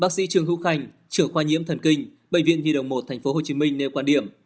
bác sĩ trương hữu khanh trưởng khoa nhiễm thần kinh bệnh viện nhi đồng một tp hcm nêu quan điểm